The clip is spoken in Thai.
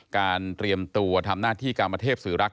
การเตรียมตัวทำหน้าที่กราบเมอเทพศึรักษ์